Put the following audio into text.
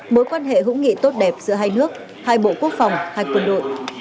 mối quan hệ hữu nghị tốt đẹp giữa hai nước hai bộ quốc phòng hai quân đội